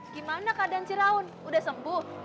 gimana keadaan si raun udah sembuh